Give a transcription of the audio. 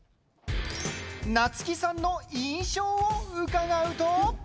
夏木さんの印象を伺うと。